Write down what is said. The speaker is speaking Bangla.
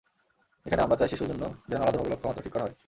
এখানে আমরা চাই, শিশুর জন্য যেন আলাদাভাবে লক্ষ্যমাত্রা ঠিক করা হয়।